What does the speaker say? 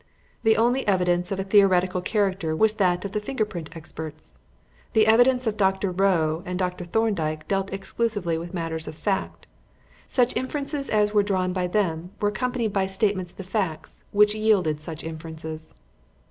The only evidence of a theoretical character was that of the finger print experts. The evidence of Dr. Rowe and of Dr. Thorndyke dealt exclusively with matters of fact. Such inferences as were drawn by them were accompanied by statements of the facts which yielded such inferences.